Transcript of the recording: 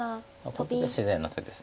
これが自然な手です。